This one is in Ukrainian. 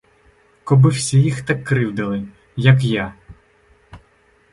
Коби всі їх так кривдили, як я!